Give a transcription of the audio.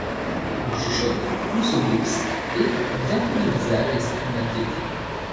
On chuchote, on se gausse, et bien peu de visages expriment la piété.